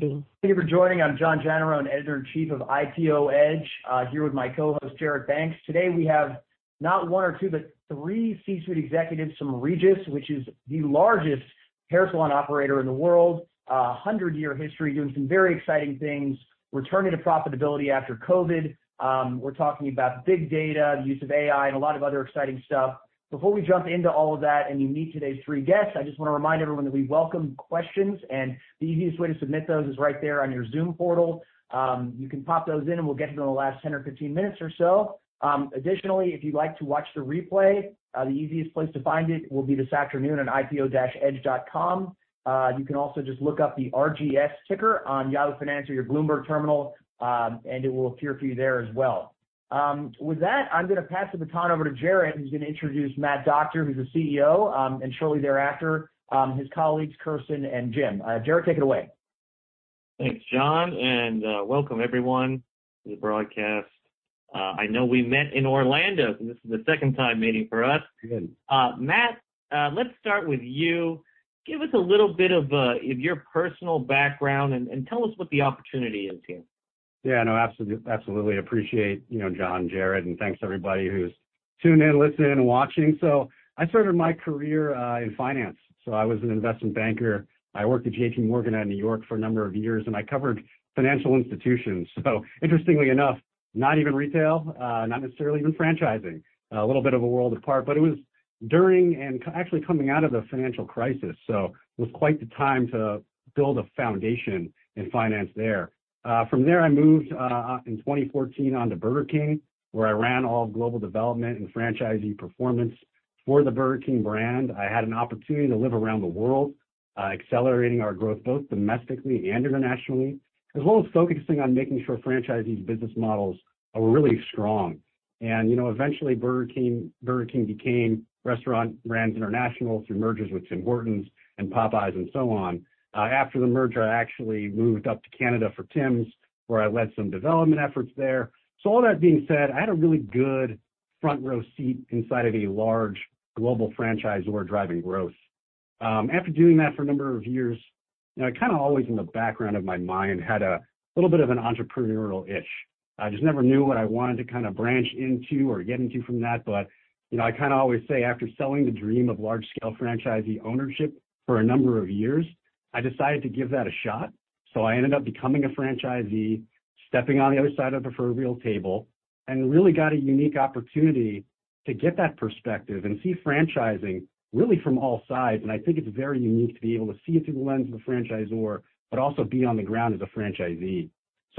Thank you for joining. I'm John Jannarone, Editor-in-Chief of IPO Edge, here with my co-host, Jarrett Banks. Today we have not one or two, but three C-suite executives from Regis, which is the largest hair salon operator in the world. A 100-year history doing some very exciting things, returning to profitability after COVID. We're talking about big data, the use of AI, and a lot of other exciting stuff. Before we jump into all of that and you meet today's three guests, I just wanna remind everyone that we welcome questions, and the easiest way to submit those is right there on your Zoom portal. You can pop those in. We'll get to them in the last 10 or 15 minutes or so. If you'd like to watch the replay, the easiest place to find it will be this afternoon on ipo-edge.com. You can also just look up the RGS ticker on Yahoo Finance or your Bloomberg terminal. It will appear for you there as well. With that, I'm gonna pass the baton over to Jarett, who's gonna introduce Matt Doctor, who's the CEO. Shortly thereafter, his colleagues, Kirsten and Jim. Jarett, take it away. Thanks, John, and welcome everyone to the broadcast. I know we met in Orlando, so this is the second time meeting for us. Good. Matt, let's start with you. Give us a little bit of your personal background and tell us what the opportunity is here. Yeah, no, absolutely. Appreciate, you know, John, Jarrett, and thanks everybody who's tuned in, listening and watching. I started my career in finance, I was an investment banker. I worked at JP Morgan out in New York for a number of years, I covered financial institutions. Interestingly enough, not even retail, not necessarily even franchising. A little bit of a world apart, it was during and actually coming out of the financial crisis, it was quite the time to build a foundation in finance there. From there, I moved in 2014 on to Burger King, where I ran all global development and franchisee performance for the Burger King brand. I had an opportunity to live around the world, accelerating our growth both domestically and internationally, as well as focusing on making sure franchisees' business models are really strong. You know, eventually Burger King became Restaurant Brands International through mergers with Tim Hortons and Popeyes and so on. After the merger, I actually moved up to Canada for Tim's, where I led some development efforts there. All that being said, I had a really good front row seat inside of a large global franchisor driving growth. After doing that for a number of years, I kind of always in the background of my mind had a little bit of an entrepreneurial itch. I just never knew what I wanted to kind of branch into or get into from that. You know, I kind of always say, after selling the dream of large-scale franchisee ownership for a number of years, I decided to give that a shot. I ended up becoming a franchisee, stepping on the other side of the proverbial table, and really got a unique opportunity to get that perspective and see franchising really from all sides. I think it's very unique to be able to see it through the lens of the franchisor but also be on the ground as a franchisee.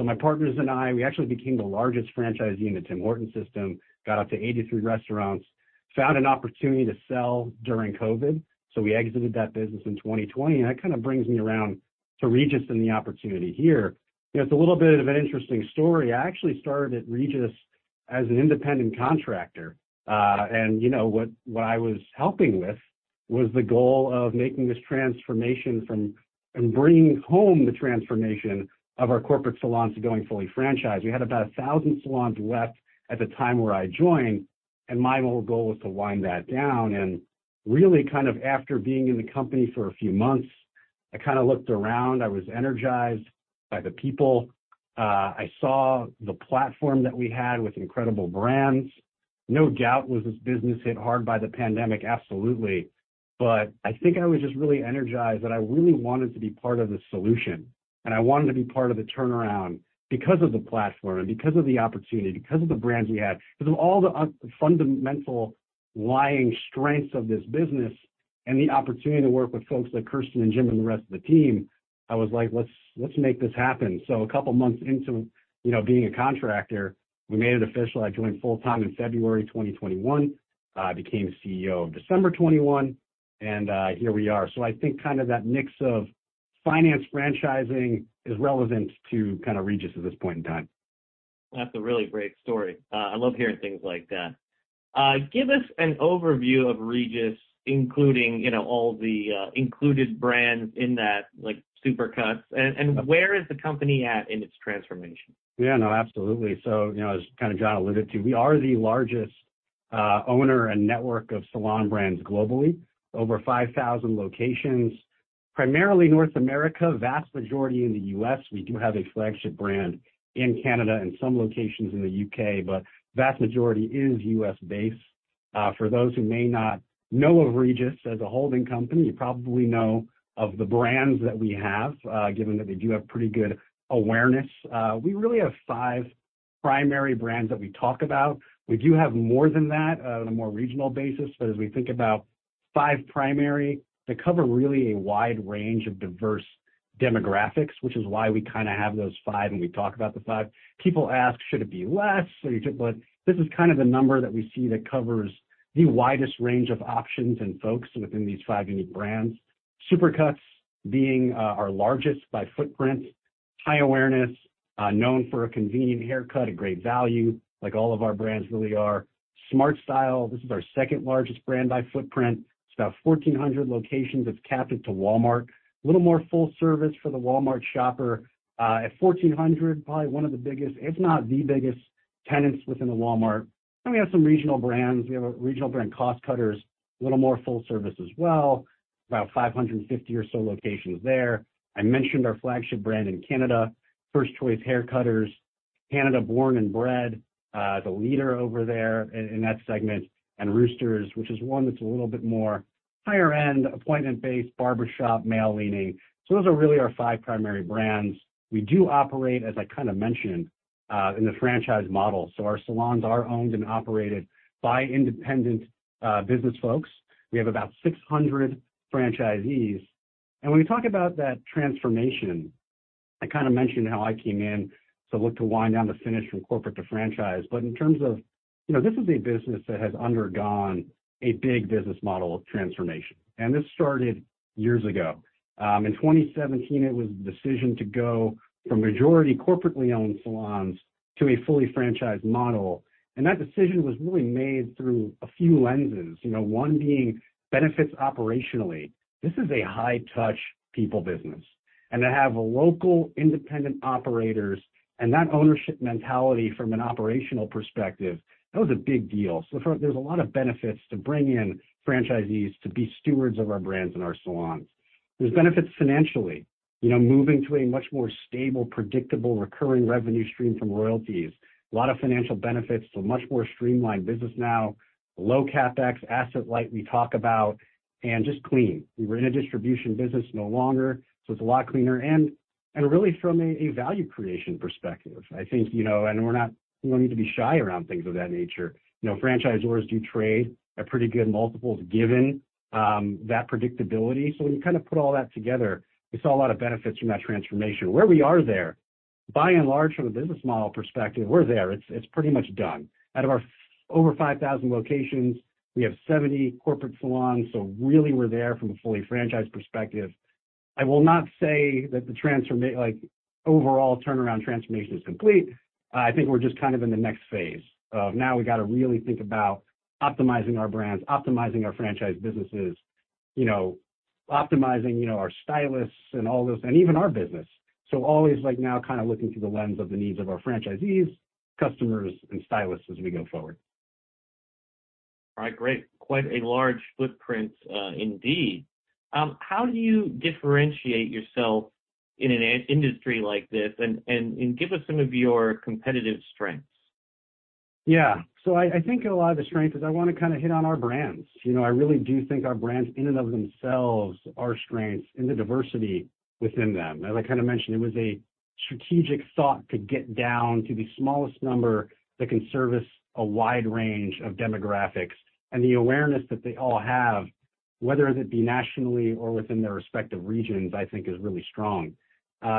My partners and I, we actually became the largest franchisee in the Tim Hortons system, got up to 83 restaurants. Found an opportunity to sell during COVID, so we exited that business in 2020. That kind of brings me around to Regis and the opportunity here. You know, it's a little bit of an interesting story. I actually started at Regis as an independent contractor, and you know what I was helping with was the goal of making this transformation and bringing home the transformation of our corporate salons going fully franchised. We had about 1,000 salons left at the time where I joined, and my whole goal was to wind that down. Really kind of after being in the company for a few months, I kind of looked around. I was energized by the people. I saw the platform that we had with incredible brands. No doubt was this business hit hard by the pandemic? Absolutely. I think I was just really energized that I really wanted to be part of the solution, and I wanted to be part of the turnaround because of the platform, because of the opportunity, because of the brands we had, because of all the fundamental lying strengths of this business and the opportunity to work with folks like Kirsten and Jim and the rest of the team. I was like, "Let's make this happen." A couple months into, you know, being a contractor, we made it official. I joined full-time in February 2021. I became CEO December 2021, here we are. I think kind of that mix of finance franchising is relevant to kind of Regis at this point in time. That's a really great story. I love hearing things like that. Give us an overview of Regis, including, you know, all the included brands in that, like Supercuts. Where is the company at in its transformation? Yeah, no, absolutely. You know, as kind of John alluded to, we are the largest owner and network of salon brands globally, over 5,000 locations, primarily North America, vast majority in the U.S. We do have a flagship brand in Canada and some locations in the U.K., but vast majority is U.S. based. For those who may not know of Regis as a holding company, you probably know of the brands that we have, given that they do have pretty good awareness. We really have five primary brands that we talk about. We do have more than that on a more regional basis. As we think about five primary, they cover really a wide range of diverse demographics, which is why we kind of have those five and we talk about the five. People ask, "Should it be less or you should..." This is kind of the number that we see that covers the widest range of options and folks within these five unique brands. Supercuts being, our largest by footprint, high awareness, known for a convenient haircut, a great value, like all of our brands really are. SmartStyle, this is our second largest brand by footprint. It's about 1,400 locations. It's capped into Walmart. A little more full service for the Walmart shopper. At 1,400, probably one of the biggest, if not the biggest-Tenants within a Walmart. We have some regional brands. We have a regional brand, Cost Cutters, a little more full service as well, about 550 or so locations there. I mentioned our flagship brand in Canada, First Choice Haircutters, Canada born and bred, the leader over there in that segment. Roosters, which is one that's a little bit more higher end, appointment-based, barbershop, male-leaning. Those are really our five primary brands. We do operate, as I kind of mentioned, in the franchise model, so our salons are owned and operated by independent business folks. We have about 600 franchisees. When you talk about that transformation, I kind of mentioned how I came in to look to wind down the finish from corporate to franchise. In terms of, you know, this is a business that has undergone a big business model transformation, and this started years ago. In 2017, it was the decision to go from majority corporately owned salons to a fully franchised model. That decision was really made through a few lenses. You know, one being benefits operationally. This is a high touch people business. To have local independent operators and that ownership mentality from an operational perspective, that was a big deal. There's a lot of benefits to bring in franchisees to be stewards of our brands and our salons. There's benefits financially. You know, moving to a much more stable, predictable, recurring revenue stream from royalties. A lot of financial benefits to a much more streamlined business now. Low CapEx, asset light we talk about. Just clean. We were in a distribution business, no longer. It's a lot cleaner and really from a value creation perspective. I think, you know, we don't need to be shy around things of that nature. You know, franchisors do trade at pretty good multiples given that predictability. When you kind of put all that together, we saw a lot of benefits from that transformation. Where we are there, by and large, from a business model perspective, we're there. It's pretty much done. Out of our over 5,000 locations, we have 70 corporate salons, so really we're there from a fully franchised perspective. I will not say that the overall turnaround transformation is complete. I think we're just kind of in the next phase of now we got to really think about optimizing our brands, optimizing our franchise businesses, you know, optimizing, you know, our stylists and all those, and even our business. Always like now kind of looking through the lens of the needs of our franchisees, customers, and stylists as we go forward. All right. Great. Quite a large footprint, indeed. How do you differentiate yourself in an industry like this? Give us some of your competitive strengths. I think a lot of the strength is I want to kind of hit on our brands. You know, I really do think our brands in and of themselves are strengths in the diversity within them. As I kind of mentioned, it was a strategic thought to get down to the smallest number that can service a wide range of demographics. The awareness that they all have, whether it be nationally or within their respective regions, I think is really strong.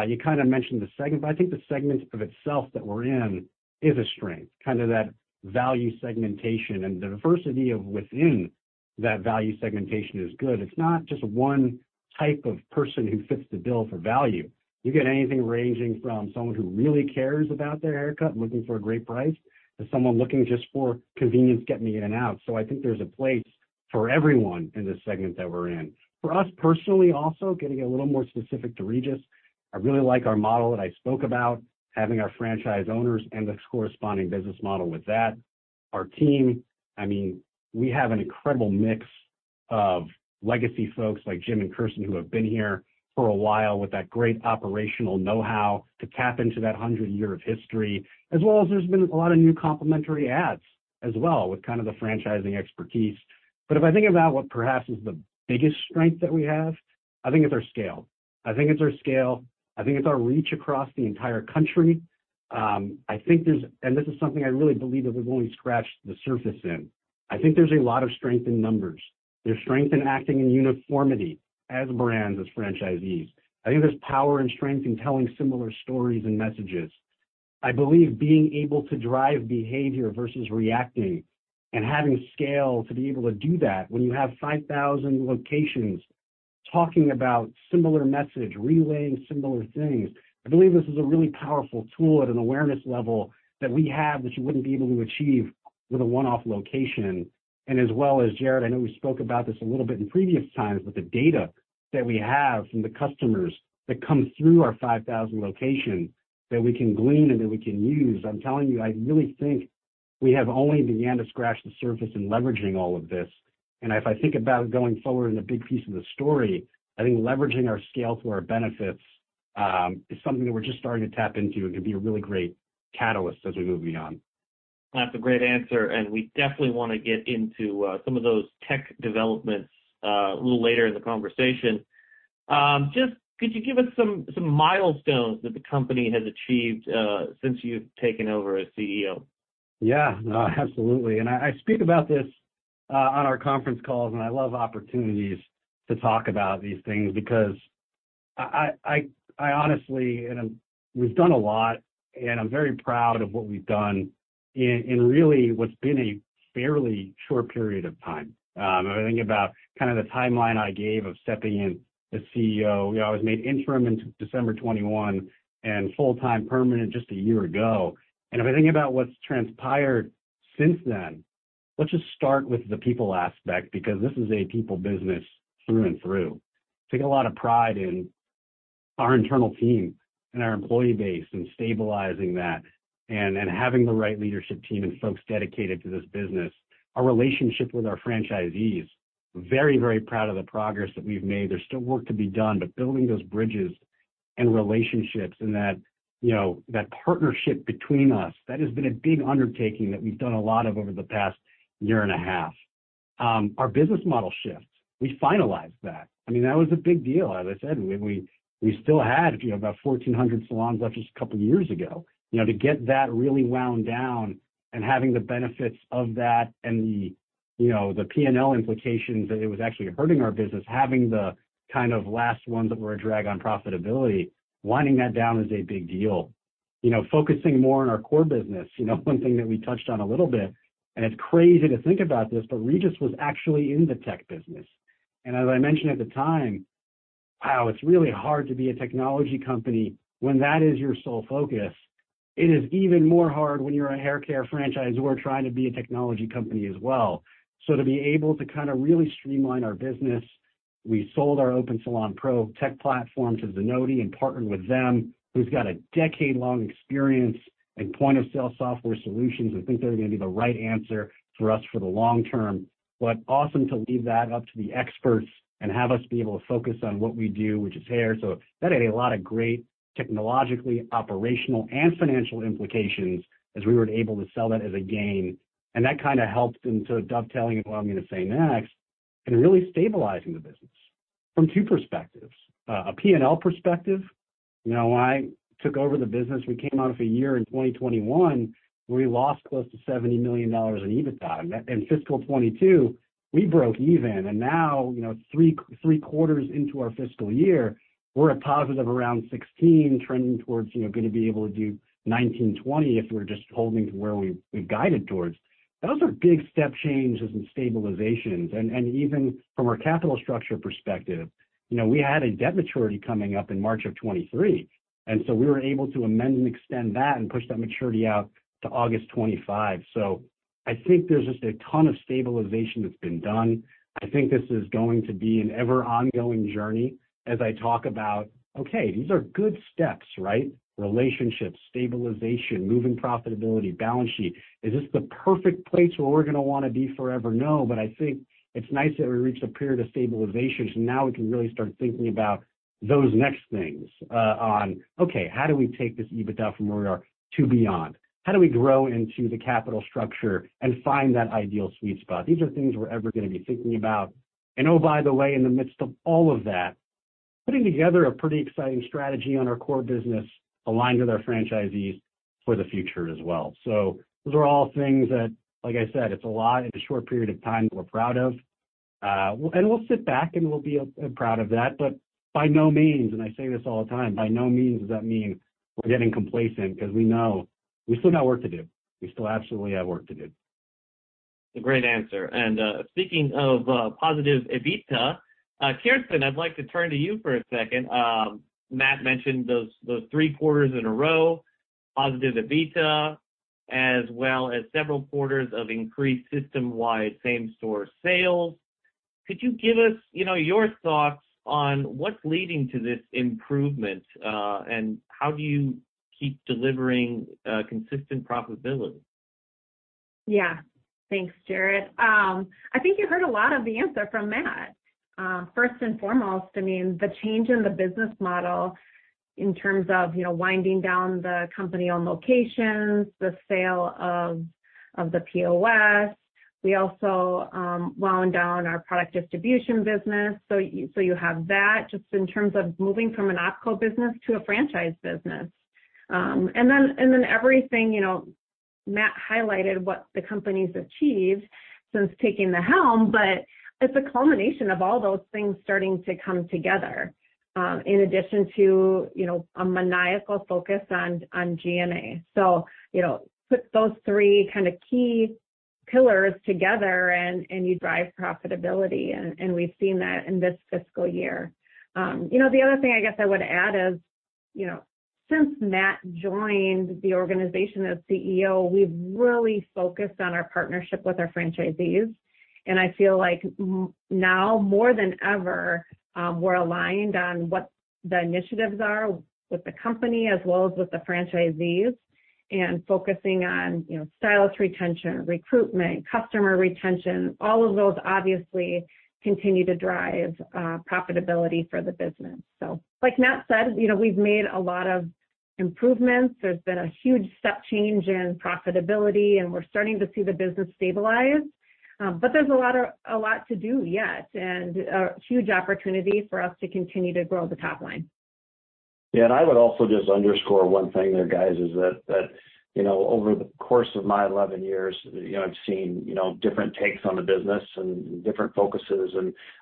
You kind of mentioned the segment, I think the segment of itself that we're in is a strength, kind of that value segmentation and diversity within that value segmentation is good. It's not just one type of person who fits the bill for value. You get anything ranging from someone who really cares about their haircut and looking for a great price to someone looking just for convenience, get me in and out. I think there's a place for everyone in this segment that we're in. For us personally also, getting a little more specific to Regis, I really like our model that I spoke about, having our franchise owners and the corresponding business model with that. Our team, I mean, we have an incredible mix of legacy folks like Jim and Kirsten, who have been here for a while with that great operational know-how to tap into that 100 year of history. As well as there's been a lot of new complementary adds as well with kind of the franchising expertise. If I think about what perhaps is the biggest strength that we have, I think it's our scale. I think it's our scale. I think it's our reach across the entire country. I think there's and this is something I really believe that we've only scratched the surface in. I think there's a lot of strength in numbers. There's strength in acting in uniformity as brands, as franchisees. I think there's power and strength in telling similar stories and messages. I believe being able to drive behavior versus reacting and having scale to be able to do that when you have 5,000 locations talking about similar message, relaying similar things, I believe this is a really powerful tool at an awareness level that we have that you wouldn't be able to achieve with a one-off location. As well as, Jarrett, I know we spoke about this a little bit in previous times, but the data that we have from the customers that come through our 5,000 locations that we can glean and that we can use, I'm telling you, I really think we have only began to scratch the surface in leveraging all of this. If I think about it going forward and the big piece of the story, I think leveraging our scale to our benefits is something that we're just starting to tap into and could be a really great catalyst as we move beyond. That's a great answer, and we definitely want to get into some of those tech developments a little later in the conversation. Just could you give us some milestones that the company has achieved since you've taken over as CEO? Yeah. No, absolutely. I speak about this on our conference calls, and I love opportunities to talk about these things because I honestly. We've done a lot, and I'm very proud of what we've done in really what's been a fairly short period of time. If I think about kind of the timeline I gave of stepping in as CEO, you know, I was made interim in December 2021 and full-time permanent just a year ago. If I think about what's transpired since then, let's just start with the people aspect, because this is a people business through and through. Take a lot of pride in our internal team and our employee base and stabilizing that and having the right leadership team and folks dedicated to this business. Our relationship with our franchisees, very, very proud of the progress that we've made. There's still work to be done, but building those bridges and relationships and that, you know, that partnership between us, that has been a big undertaking that we've done a lot of over the past year and a half. Our business model shifts, we finalized that. I mean, that was a big deal. As I said, we still had, you know, about 1,400 salons left just a couple years ago. You know, to get that really wound down and having the benefits of that and the, you know, the P&L implications that it was actually hurting our business, having the kind of last ones that were a drag on profitability, winding that down is a big deal. You know, focusing more on our core business, you know, one thing that we touched on a little bit, it's crazy to think about this, Regis was actually in the tech business. As I mentioned at the time, wow, it's really hard to be a technology company when that is your sole focus. It is even more hard when you're a hair care franchisor trying to be a technology company as well. To be able to kind of really streamline our business, we sold our Opensalon Pro tech platform to Zenoti and partnered with them, who's got a decade-long experience in point-of-sale software solutions. We think they're gonna be the right answer for us for the long term. Awesome to leave that up to the experts and have us be able to focus on what we do, which is hair. That had a lot of great technologically operational and financial implications as we were able to sell that as a gain. That kind of helped in sort of dovetailing of what I'm gonna say next in really stabilizing the business from two perspectives. A P&L perspective. You know, when I took over the business, we came out of a year in 2021 where we lost close to $70 million in EBITDA. In fiscal 2022, we broke even. Now, you know, three quarters into our fiscal year, we're at positive around 16, trending towards, you know, gonna be able to do 2019, 2020 if we're just holding to where we've guided towards. Those are big step changes and stabilizations. Even from our capital structure perspective, you know, we had a debt maturity coming up in March of 2023, and so we were able to amend and extend that and push that maturity out to August 2025. I think there's just a ton of stabilization that's been done. I think this is going to be an ever ongoing journey as I talk about, okay, these are good steps, right? Relationships, stabilization, moving profitability, balance sheet. Is this the perfect place where we're gonna wanna be forever? No. I think it's nice that we reached a period of stabilization, so now we can really start thinking about those next things on, okay, how do we take this EBITDA from where we are to beyond? How do we grow into the capital structure and find that ideal sweet spot? These are things we're ever gonna be thinking about. Oh, by the way, in the midst of all of that, putting together a pretty exciting strategy on our core business aligned with our franchisees for the future as well. Those are all things that, like I said, it's a lot in a short period of time that we're proud of. We'll sit back and we'll be proud of that, but by no means, and I say this all the time, by no means does that mean we're getting complacent because we know we still have work to do. We still absolutely have work to do. It's a great answer. Speaking of positive EBITDA, Kirsten, I'd like to turn to you for a second. Matt mentioned those three quarters in a row, positive EBITDA, as well as several quarters of increased system-wide same-store sales. Could you give us, you know, your thoughts on what's leading to this improvement, and how do you keep delivering consistent profitability? Yeah. Thanks, Jarrett. I think you heard a lot of the answer from Matt. First and foremost, I mean, the change in the business model in terms of, you know, winding down the company on locations, the sale of the POS. We also wound down our product distribution business. You have that just in terms of moving from an optical business to a franchise business. Then, and then everything, you know, Matt highlighted what the company's achieved since taking the helm, but it's a culmination of all those things starting to come together, in addition to, you know, a maniacal focus on G&A. You know, put those three kind of key pillars together and you drive profitability and we've seen that in this fiscal year. You know, the other thing I guess I would add is, you know, since Matt joined the organization as CEO, we've really focused on our partnership with our franchisees. I feel like now more than ever, we're aligned on what the initiatives are with the company as well as with the franchisees and focusing on, you know, stylist retention, recruitment, customer retention. All of those obviously continue to drive profitability for the business. Like Matt said, you know, we've made a lot of improvements. There's been a huge step change in profitability, and we're starting to see the business stabilize. There's a lot of, a lot to do yet and a huge opportunity for us to continue to grow the top line. Yeah. I would also just underscore one thing there, guys, is that, you know, over the course of my 11 years, you know, I've seen, you know, different takes on the business and different focuses.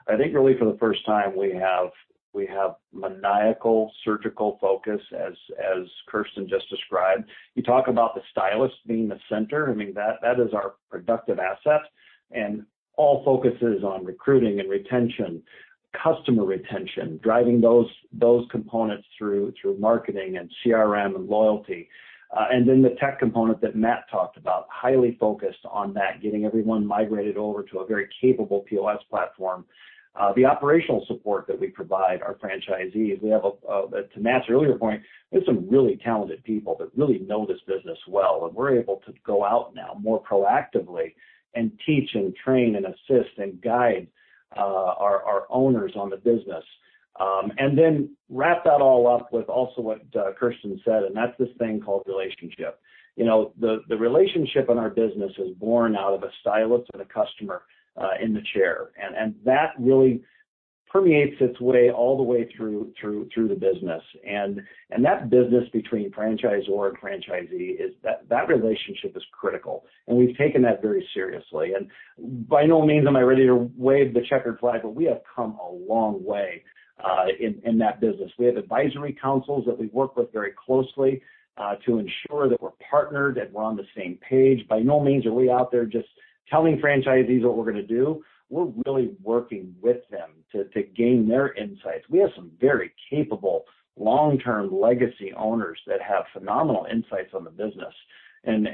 I think really for the first time we have, we have maniacal surgical focus as Kirsten just described. You talk about the stylist being the center. I mean, that is our productive asset, and all focus is on recruiting and retention. Customer retention, driving those components through marketing and CRM and loyalty. The tech component that Matt talked about, highly focused on that, getting everyone migrated over to a very capable POS platform. The operational support that we provide our franchisees. We have To Matt's earlier point, we have some really talented people that really know this business well, and we're able to go out now more proactively and teach and train and assist and guide our owners on the business. Then wrap that all up with also what Kirsten said, and that's this thing called relationship. You know, the relationship in our business is born out of a stylist and a customer in the chair. That really permeates its way all the way through the business. That business between franchisor and franchisee is that relationship is critical, and we've taken that very seriously. By no means am I ready to wave the checkered flag, but we have come a long way in that business. We have advisory councils that we work with very closely, to ensure that we're partnered, that we're on the same page. By no means are we out there just telling franchisees what we're gonna do. We're really working with them to gain their insights. We have some very capable long-term legacy owners that have phenomenal insights on the business, and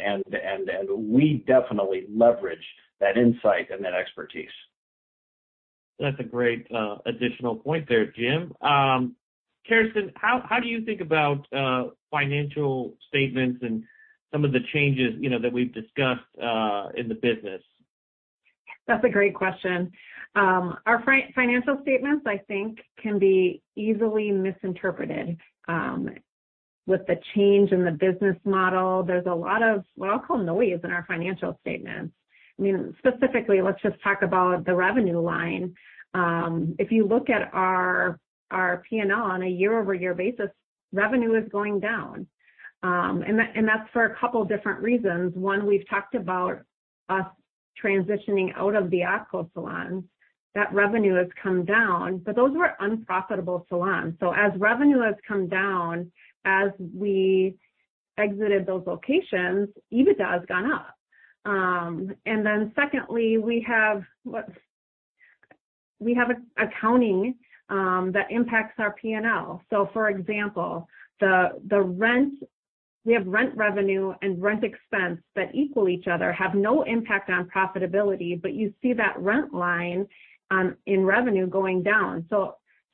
we definitely leverage that insight and that expertise. That's a great additional point there, Jim. Kirsten, how do you think about financial statements and some of the changes, you know, that we've discussed in the business? That's a great question. Our financial statements, I think can be easily misinterpreted. With the change in the business model, there's a lot of what I'll call noise in our financial statements. I mean, specifically, let's just talk about the revenue line. If you look at our P&L on a year-over-year basis, revenue is going down. That's for a couple different reasons. One, we've talked about us transitioning out of the OpCo salons. That revenue has come down. Those were unprofitable salons. As revenue has come down, as we exited those locations, EBITDA has gone up. Secondly, we have accounting that impacts our P&L. For example, the rent... We have rent revenue and rent expense that equal each other, have no impact on profitability, but you see that rent line in revenue going down.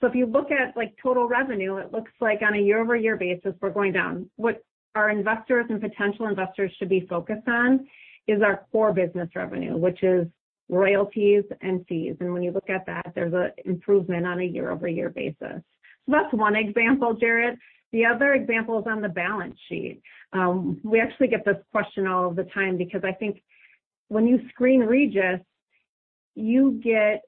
If you look at, like, total revenue, it looks like on a year-over-year basis, we're going down. What our investors and potential investors should be focused on is our core business revenue, which is royalties and fees. When you look at that, there's a improvement on a year-over-year basis. That's one example, Jarrett. The other example is on the balance sheet. We actually get this question all of the time because I think when you screen Regis, you get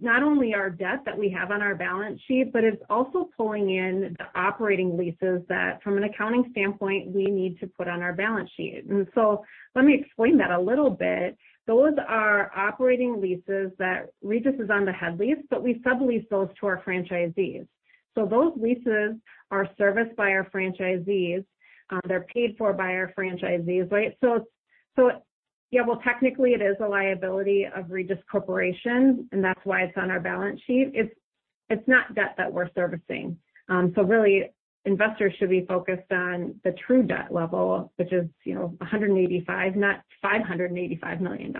not only our debt that we have on our balance sheet, but it's also pulling in the operating leases that from an accounting standpoint, we need to put on our balance sheet. Let me explain that a little bit. Those are operating leases that Regis is on the head lease, we sublease those to our franchisees. Those leases are serviced by our franchisees, they're paid for by our franchisees, right? Yeah, well, technically, it is a liability of Regis Corporation, and that's why it's on our balance sheet. It's not debt that we're servicing. Really, investors should be focused on the true debt level, which is, you know, $185 million, not $585 million.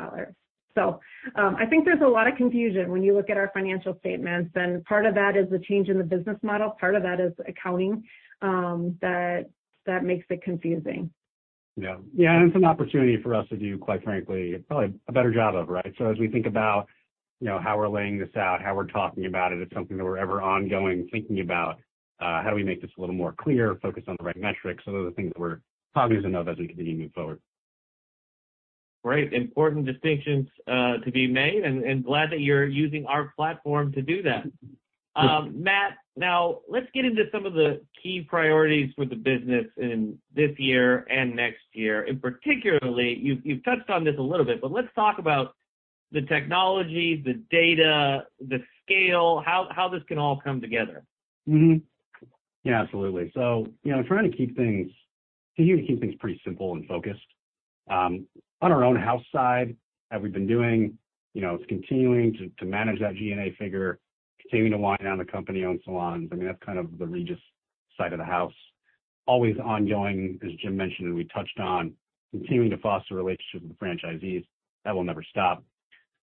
I think there's a lot of confusion when you look at our financial statements, and part of that is the change in the business model, part of that is accounting that makes it confusing. Yeah. Yeah, it's an opportunity for us to do, quite frankly, probably a better job of, right? As we think about, you know, how we're laying this out, how we're talking about it's something that we're ever ongoing thinking about, how do we make this a little more clear, focused on the right metrics. Those are the things that we're cognizant of as we continue to move forward. Great. Important distinctions to be made, and glad that you're using our platform to do that. Matt, now let's get into some of the key priorities for the business in this year and next year. Particularly, you've touched on this a little bit, but let's talk about the technology, the data, the scale, how this can all come together. Yeah, absolutely. You know, trying to keep things, continue to keep things pretty simple and focused. On our own house side that we've been doing, you know, it's continuing to manage that G&A figure, continuing to wind down the company-owned salons. I mean, that's kind of the Regis side of the house. Always ongoing, as Jim mentioned and we touched on, continuing to foster relationships with the franchisees. That will never stop.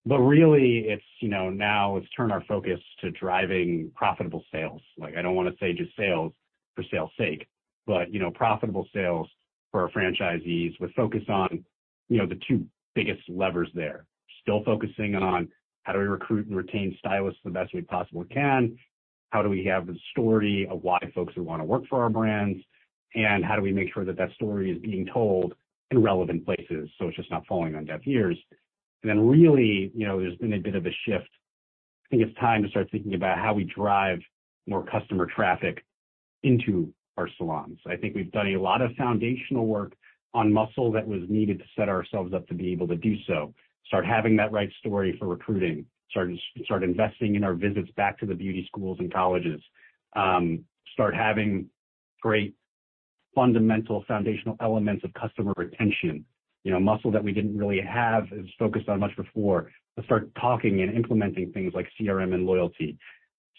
Really, it's, you know, now let's turn our focus to driving profitable sales. Like, I don't wanna say just sales for sales sake, but, you know, profitable sales for our franchisees with focus on, you know, the two biggest levers there. Still focusing on how do we recruit and retain stylists the best way possible we can? How do we have the story of why folks would wanna work for our brands? How do we make sure that that story is being told in relevant places, so it's just not falling on deaf ears? Really, you know, there's been a bit of a shift. I think it's time to start thinking about how we drive more customer traffic into our salons. I think we've done a lot of foundational work on muscle that was needed to set ourselves up to be able to do so. Start having that right story for recruiting. Start investing in our visits back to the beauty schools and colleges. Start having great-Fundamental foundational elements of customer retention, you know, muscle that we didn't really have and was focused on much before, but start talking and implementing things like CRM and loyalty.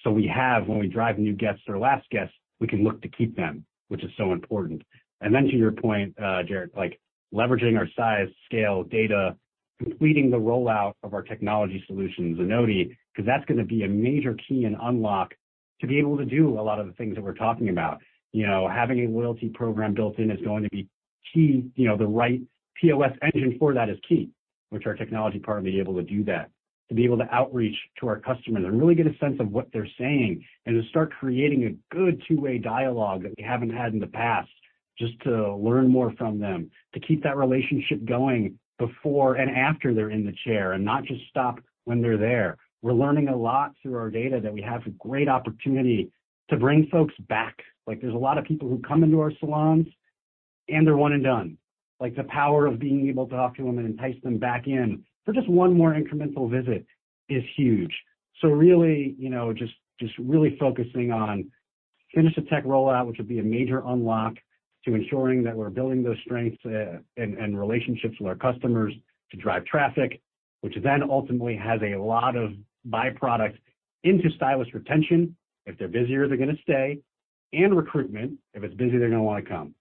We have, when we drive new guests or last guests, we can look to keep them, which is so important. To your point, Jarrett, like leveraging our size, scale, data, completing the rollout of our technology solution, Zenoti, 'cause that's gonna be a major key and unlock to be able to do a lot of the things that we're talking about. You know, having a loyalty program built in is going to be key. You know, the right POS engine for that is key, which our technology partner will be able to do that, to be able to outreach to our customers and really get a sense of what they're saying and to start creating a good two-way dialogue that we haven't had in the past, just to learn more from them, to keep that relationship going before and after they're in the chair and not just stop when they're there. We're learning a lot through our data that we have a great opportunity to bring folks back. Like, there's a lot of people who come into our salons and they're one and done. Like, the power of being able to talk to them and entice them back in for just one more incremental visit is huge. Really, you know, just really focusing on finish the tech rollout, which will be a major unlock to ensuring that we're building those strengths and relationships with our customers to drive traffic, which then ultimately has a lot of byproducts into stylist retention, if they're busier, they're gonna stay, and recruitment, if it's busy, they're gonna wanna come.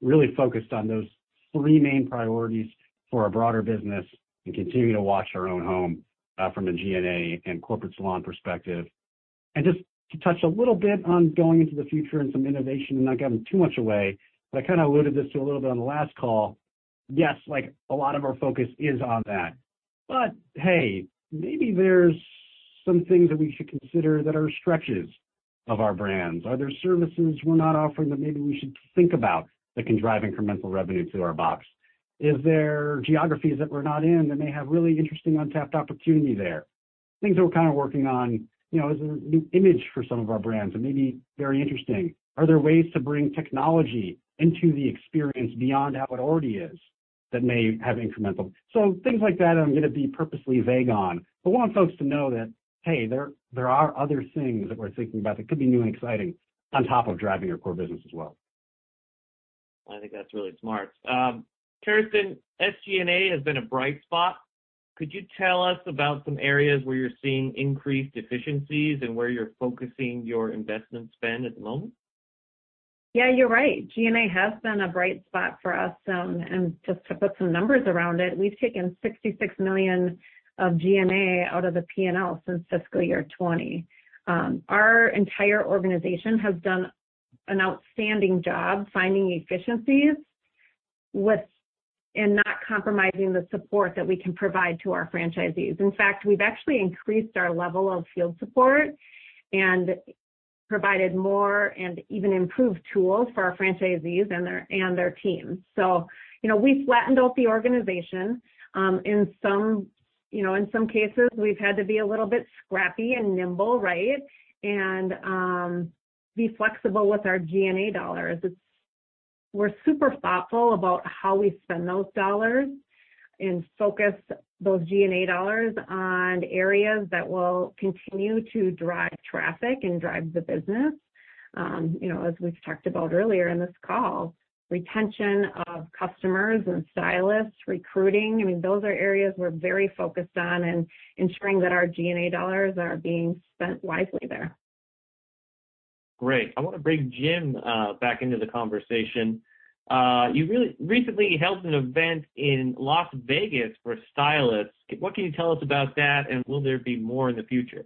Really focused on those three main priorities for our broader business and continuing to watch our own home from a G&A and corporate salon perspective. Just to touch a little bit on going into the future and some innovation and not giving too much away, but I kinda alluded this to a little bit on the last call. Yes, like, a lot of our focus is on that. Hey, maybe there's some things that we should consider that are stretches of our brands. Are there services we're not offering that maybe we should think about that can drive incremental revenue to our box? Is there geographies that we're not in that may have really interesting untapped opportunity there? Things that we're kind of working on, you know, is a new image for some of our brands and maybe very interesting. Are there ways to bring technology into the experience beyond how it already is that may have incremental... Things like that I'm gonna be purposely vague on, but want folks to know that, hey, there are other things that we're thinking about that could be new and exciting on top of driving our core business as well. I think that's really smart. Kirsten, SG&A has been a bright spot. Could you tell us about some areas where you're seeing increased efficiencies and where you're focusing your investment spend at the moment? Yeah, you're right. G&A has been a bright spot for us. Just to put some numbers around it, we've taken $66 million of G&A out of the P&L since fiscal year 2020. Our entire organization has done an outstanding job finding efficiencies and not compromising the support that we can provide to our franchisees. In fact, we've actually increased our level of field support and provided more and even improved tools for our franchisees and their teams. You know, we flattened out the organization. In some cases, we've had to be a little bit scrappy and nimble, right? Be flexible with our G&A dollars. We're super thoughtful about how we spend those dollars and focus those G&A dollars on areas that will continue to drive traffic and drive the business. You know, as we've talked about earlier in this call, retention of customers and stylists, recruiting. I mean, those are areas we're very focused on and ensuring that our G&A dollars are being spent wisely there. Great. I wanna bring Jim back into the conversation. You recently held an event in Las Vegas for stylists. What can you tell us about that, and will there be more in the future?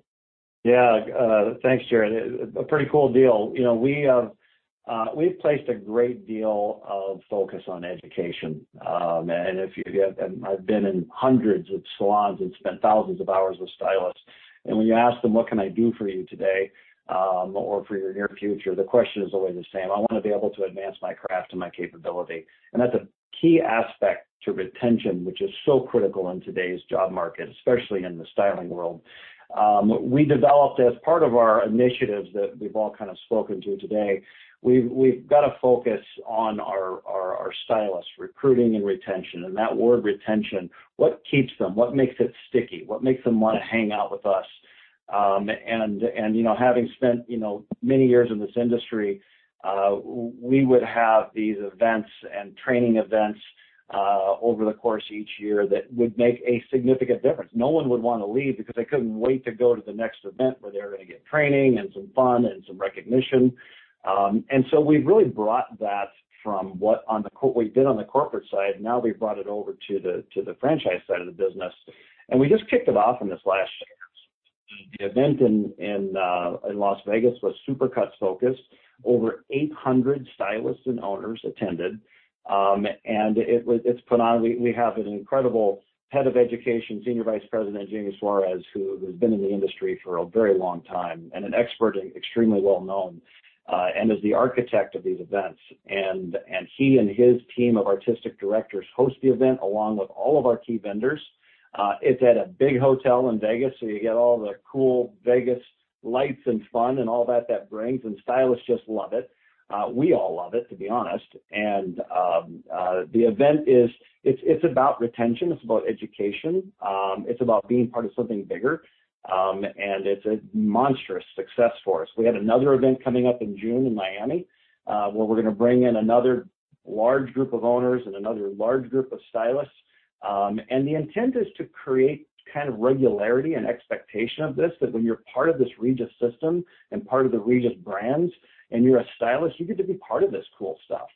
Yeah. Thanks, Jarrett. A pretty cool deal. You know, we have, we've placed a great deal of focus on education. I've been in hundreds of salons and spent thousands of hours with stylists. When you ask them, "What can I do for you today, or for your near future?" The question is always the same, "I wanna be able to advance my craft and my capability." That's a key aspect to retention, which is so critical in today's job market, especially in the styling world. We developed as part of our initiatives that we've all kind of spoken to today, we've got to focus on our stylists' recruiting and retention. That word retention, what keeps them? What makes it sticky? What makes them wanna hang out with us? You know, having spent, you know, many years in this industry, we would have these events and training events over the course of each year that would make a significant difference. No one would wanna leave because they couldn't wait to go to the next event where they're gonna get training and some fun and some recognition. We've really brought that from what we did on the corporate side, now we've brought it over to the, to the franchise side of the business. We just kicked it off in this last. The event in Las Vegas was Supercuts focused. Over 800 stylists and owners attended. It's put on, we have an incredible head of education, Senior Vice President, Jamie Suarez, who has been in the industry for a very long time, and an expert and extremely well known, and is the architect of these events. He and his team of artistic directors host the event along with all of our key vendors. It's at a big hotel in Vegas, so you get all the cool Vegas lights and fun and all that that brings, and stylists just love it. We all love it, to be honest. The event is about retention, it's about education, it's about being part of something bigger, and it's a monstrous success for us. We have another event coming up in June in Miami, where we're gonna bring in another Large group of owners and another large group of stylists. The intent is to create kind of regularity and expectation of this, that when you're part of this Regis system and part of the Regis brands, and you're a stylist, you get to be part of this cool stuff.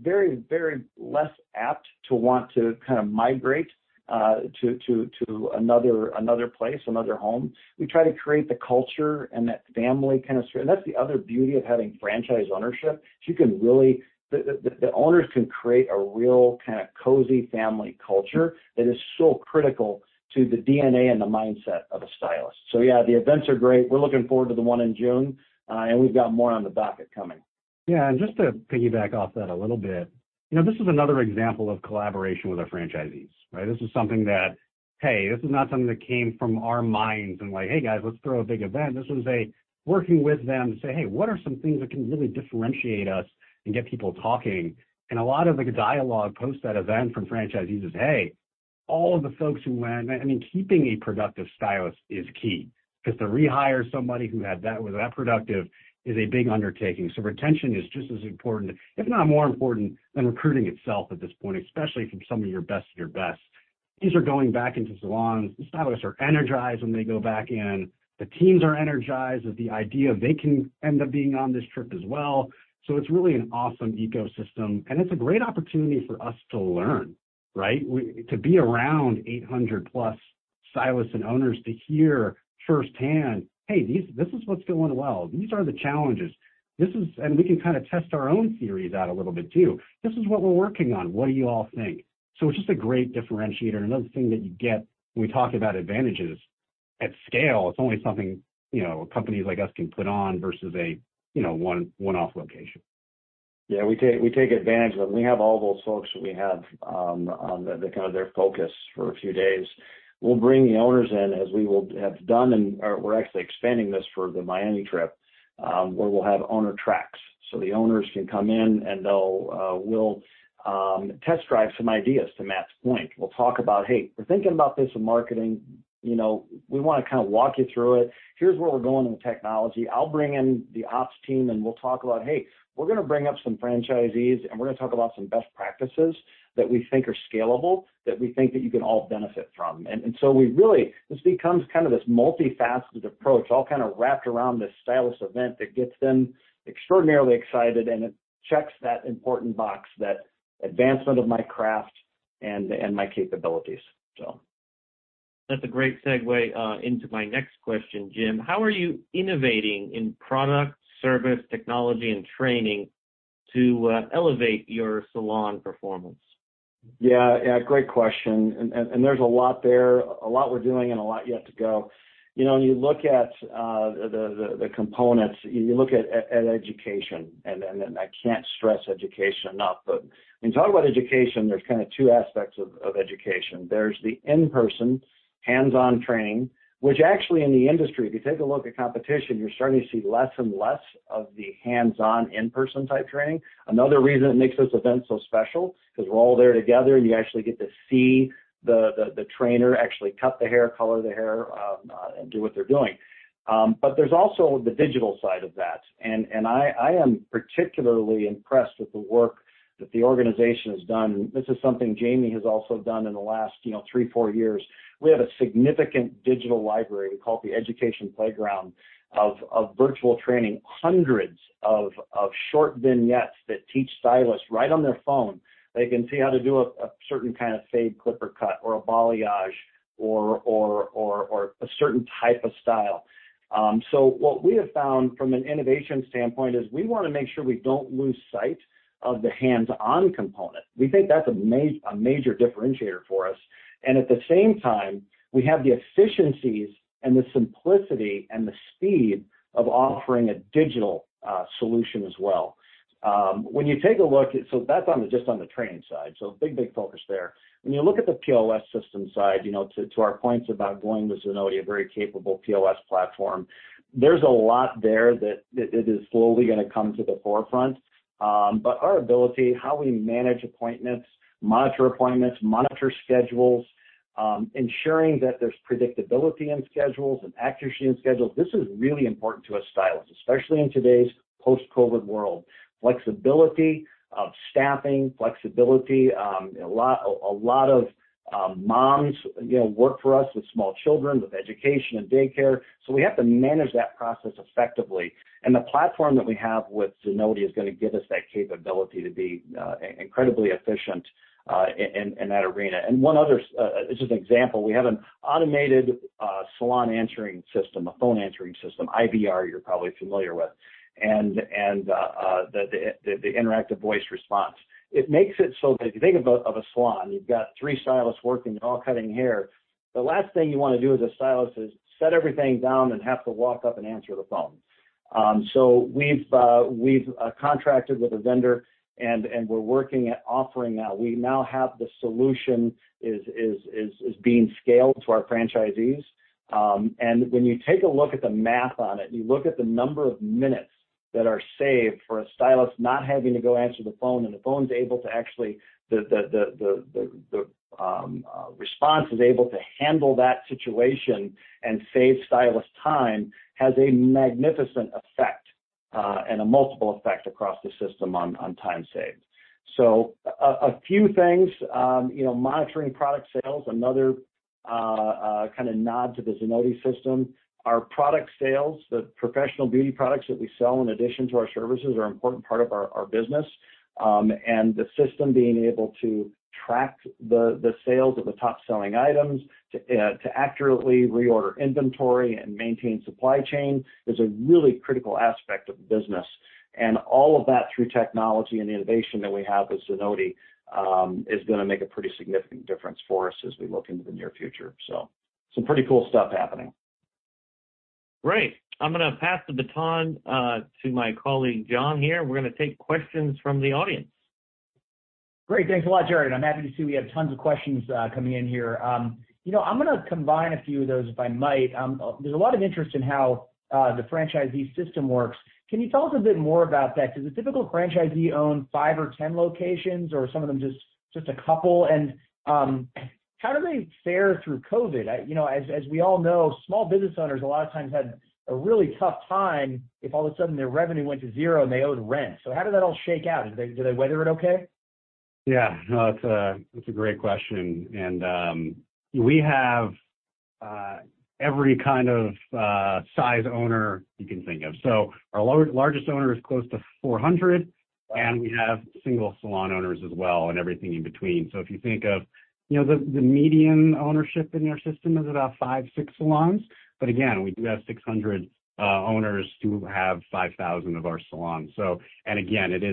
Very, very less apt to want to kind of migrate to another place, another home. We try to create the culture and that family kind of... That's the other beauty of having franchise ownership, is you can really the owners can create a real kind of cozy family culture that is so critical to the DNA and the mindset of a stylist. Yeah, the events are great. We're looking forward to the one in June, and we've got more on the docket coming. Yeah. Just to piggyback off that a little bit, you know, this is another example of collaboration with our franchisees, right? This is something that, hey, this is not something that came from our minds and like, "Hey guys, let's throw a big event." This was a working with them to say, "Hey, what are some things that can really differentiate us and get people talking?" A lot of the dialogue post that event from franchisees is, hey, all of the folks who went. I mean, keeping a productive stylist is key, 'cause to rehire somebody who was that productive is a big undertaking. Retention is just as important, if not more important, than recruiting itself at this point, especially from some of your best of your best. These are going back into salons. The stylists are energized when they go back in. The teams are energized at the idea they can end up being on this trip as well. It's really an awesome ecosystem, it's a great opportunity for us to learn, right? To be around 800+ stylists and owners to hear firsthand, "Hey, this is what's going well. These are the challenges. This is..." We can kind of test our own theories out a little bit too. "This is what we're working on. What do you all think?" It's just a great differentiator. Another thing that you get when we talk about advantages, at scale, it's only something, you know, companies like us can put on versus a, you know, one-off location. Yeah. We take advantage of them. We have all those folks that we have on their focus for a few days. We'll bring the owners in as we will have done and, or we're actually expanding this for the Miami trip, where we'll have owner tracks. The owners can come in and they'll test drive some ideas, to Matt's point. We'll talk about, hey, we're thinking about this in marketing, you know, we wanna kind of walk you through it. Here's where we're going with technology. I'll bring in the ops team, and we'll talk about, hey, we're gonna bring up some franchisees, and we're gonna talk about some best practices that we think are scalable, that we think that you can all benefit from. This becomes kind of this multifaceted approach, all kind of wrapped around this stylist event that gets them extraordinarily excited, and it checks that important box, that advancement of my craft and my capabilities. So. That's a great segue into my next question, Jim. How are you innovating in product, service, technology, and training to elevate your salon performance? Yeah. Yeah. Great question. There's a lot there, a lot we're doing and a lot yet to go. You know, when you look at the components, you look at education and I can't stress education enough. When you talk about education, there's kind of two aspects of education. There's the in-person hands-on training, which actually in the industry, if you take a look at competition, you're starting to see less and less of the hands-on in-person type training. Another reason it makes this event so special, 'cause we're all there together, and you actually get to see the trainer actually cut the hair, color the hair, and do what they're doing. There's also the digital side of that. I am particularly impressed with the work that the organization has done. This is something Jamie has also done in the last, you know, three, four years. We have a significant digital library we call it the Education Playground of virtual training. Hundreds of short vignettes that teach stylists right on their phone. They can see how to do a certain kind of fade clipper cut or a balayage or a certain type of style. What we have found from an innovation standpoint is we wanna make sure we don't lose sight of the hands-on component. We think that's a major differentiator for us. At the same time, we have the efficiencies and the simplicity and the speed of offering a digital solution as well. That's on the, just on the training side, so big focus there. When you look at the POS system side, you know, to our points about going with Zenoti, a very capable POS platform, there's a lot there that it is slowly gonna come to the forefront. But our ability, how we manage appointments, monitor appointments, monitor schedules, ensuring that there's predictability in schedules and accuracy in schedules, this is really important to a stylist, especially in today's post-COVID world. Flexibility of staffing, flexibility. A lot, a lot of moms, you know, work for us with small children, with education and daycare, so we have to manage that process effectively. The platform that we have with Zenoti is gonna give us that capability to be incredibly efficient in that arena. One other... This is an example. We have an automated salon answering system, a phone answering system, IVR, you're probably familiar with, and the interactive voice response. It makes it so that if you think of a salon, you've got three stylists working, all cutting hair. The last thing you wanna do as a stylist is set everything down and have to walk up and answer the phone. We've contracted with a vendor and we're working at offering that. We now have the solution is being scaled to our franchisees. When you take a look at the math on it and you look at the number of minutes that are saved for a stylist not having to go answer the phone and the phone's able to actually the response is able to handle that situation and save stylists time has a magnificent effect and a multiple effect across the system on time saved. A few things, you know, monitoring product sales, another kind of nod to the Zenoti system. Our product sales, the professional beauty products that we sell in addition to our services are an important part of our business. The system being able to track the sales of the top-selling items to accurately reorder inventory and maintain supply chain is a really critical aspect of the business. All of that through technology and the innovation that we have with Zenoti, is gonna make a pretty significant difference for us as we look into the near future. Some pretty cool stuff happening. Great. I'm gonna pass the baton, to my colleague, John, here. We're gonna take questions from the audience. Great. Thanks a lot, Jarrett. I'm happy to see we have tons of questions coming in here. You know, I'm gonna combine a few of those if I might. There's a lot of interest in how the franchisee system works. Can you tell us a bit more about that? Does a typical franchisee own five or 10 locations, or are some of them just a couple? How do they fare through COVID? You know, as we all know, small business owners a lot of times had a really tough time if all of a sudden their revenue went to zero, they owed rent. How did that all shake out? Did they weather it okay? Yeah. No, it's a, it's a great question. We have every kind of size owner you can think of. Our largest owner is close to 400- Wow. We have single salon owners as well and everything in between. If you think of, you know, the median ownership in our system is about five, six salons. Again, we do have 600 owners who have 5,000 of our salons. Again, it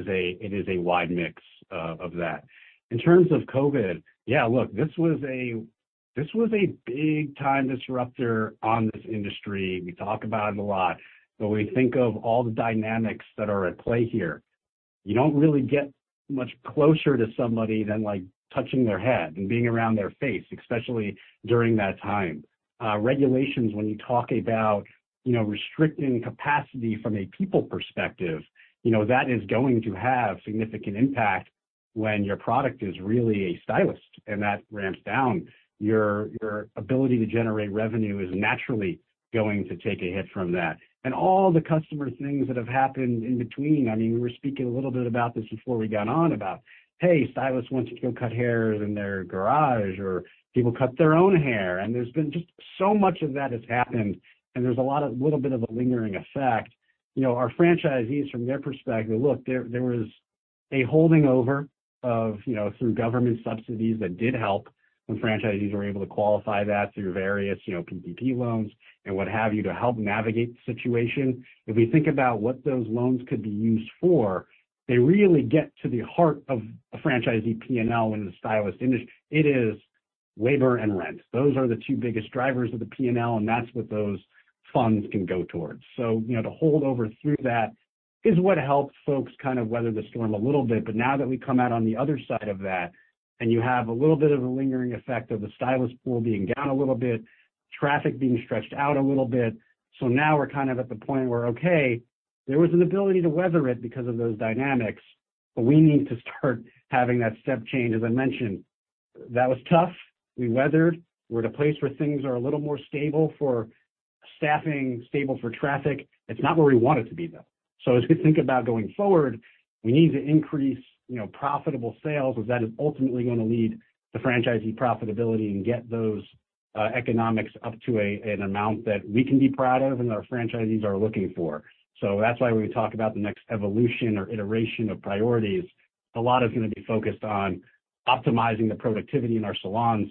is a wide mix of that. In terms of COVID, yeah, look, this was a big-time disrupter on this industry. We talk about it a lot. When you think of all the dynamics that are at play here, you don't really get much closer to somebody than, like, touching their head and being around their face, especially during that time. Regulations, when you talk about, you know, restricting capacity from a people perspective, you know, that is going to have significant impact when your product is really a stylist, and that ramps down. Your ability to generate revenue is naturally going to take a hit from that. All the customer things that have happened in between, I mean, we were speaking a little bit about this before we got on about, hey, stylists want to go cut hair in their garage, or people cut their own hair. There's been just so much of that has happened, and there's a lot of, a little bit of a lingering effect. You know, our franchisees from their perspective, look, there was a holding over of, you know, some government subsidies that did help when franchisees were able to qualify that through various, you know, PPP loans and what have you to help navigate the situation. If we think about what those loans could be used for, they really get to the heart of the franchisee P&L in the stylist. It is labor and rent. Those are the two biggest drivers of the P&L. That's what those funds can go towards. You know, the holdover through that is what helped folks kind of weather the storm a little bit. Now that we've come out on the other side of that, and you have a little bit of a lingering effect of the stylist pool being down a little bit, traffic being stretched out a little bit. Now we're kind of at the point where, okay, there was an ability to weather it because of those dynamics. We need to start having that step change. As I mentioned, that was tough. We weathered. We're at a place where things are a little more stable for staffing, stable for traffic. It's not where we want it to be, though. As we think about going forward, we need to increase, you know, profitable sales, as that is ultimately gonna lead to franchisee profitability and get those economics up to an amount that we can be proud of and our franchisees are looking for. That's why when we talk about the next evolution or iteration of priorities, a lot is gonna be focused on optimizing the productivity in our salons,